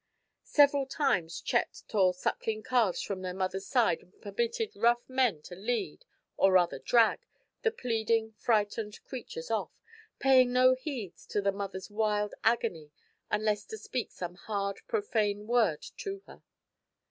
Several times Chet tore suckling calves from their mother's side and permitted rough men to lead, or rather drag, the pleading, frightened creatures off, paying no heed to the mother's wild agony unless to speak some hard, profane word to her.